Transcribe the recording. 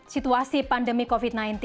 situasi pandemi covid sembilan belas